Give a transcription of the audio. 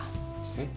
えっ？